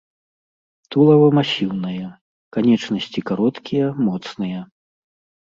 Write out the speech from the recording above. Тулава масіўнае, канечнасці кароткія, моцныя.